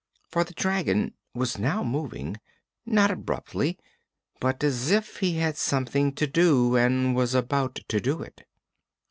For the dragon was now moving; not abruptly, but as if he had something to do and was about to do it.